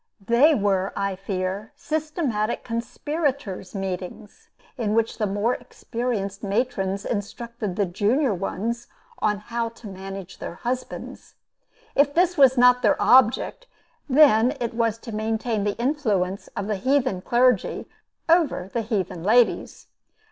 They were, I fear, systematic conspirators' meetings, in which the more experienced matrons instructed the junior ones how to manage their husbands. If this was not their object, then it was to maintain the influence of the heathen clergy over the heathen ladies.